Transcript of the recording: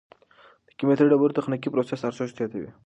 د قیمتي ډبرو تخنیکي پروسس ارزښت زیاتوي.